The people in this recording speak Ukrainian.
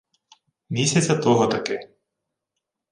Місяця того-таки